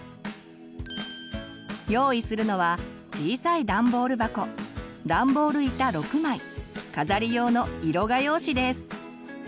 用意するのは小さいダンボール箱ダンボール板６枚飾り用の色画用紙です。